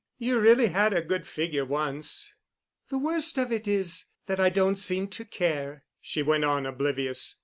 You really had a good figure once." "The worst of it is that I don't seem to care," she went on, oblivious.